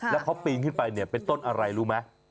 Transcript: แล้วเขาปีนขึ้นไปเนี่ยเป็นต้นอะไรรู้ไหม